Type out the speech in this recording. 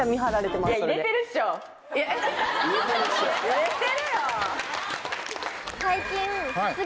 入れてるよ。